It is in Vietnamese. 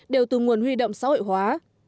đều từ nguồn huy động xã hội hóa